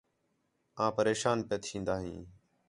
آں پریشان پیا تھین٘دا ہیں